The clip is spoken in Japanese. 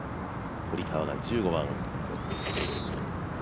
堀川、１５番